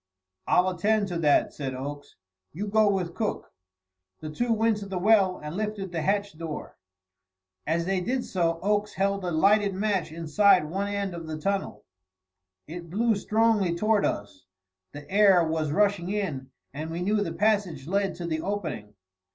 "I'll attend to that," said Oakes. "You go with Cook." The two went to the well and lifted the hatch door. As they did so, Oakes held a lighted match inside one end of the tunnel. It blew strongly toward us; the air was rushing in, and we knew the passage led to the opening.